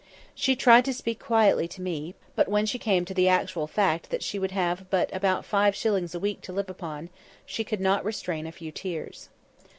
She tried to speak quietly to me; but when she came to the actual fact that she would have but about five shillings a week to live upon, she could not restrain a few tears.